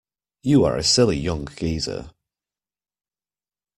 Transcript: You are a silly young geezer.